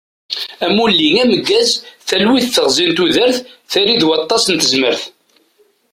Amulli ameggaz, talwit d teɣzi n tudert, tayri d waṭas n tezmert.